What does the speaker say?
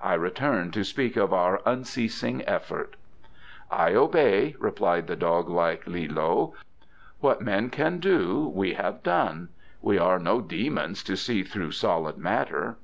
I return to speak of our unceasing effort." "I obey," replied the dog like Li loe. "What men can do we have done. We are no demons to see through solid matter."